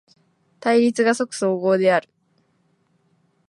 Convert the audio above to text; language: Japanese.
対立が即綜合である。